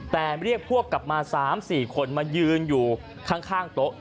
แต่เรียกพวกกลับมา๓๔คนมายืนอยู่ข้างโต๊ะ